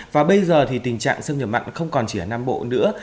và bây giờ thì tình trạng xâm nhập mặn không còn chỉ ở nam bộ nữa